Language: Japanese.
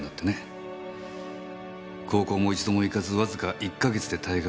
高校も一度も行かずわずか１か月で退学。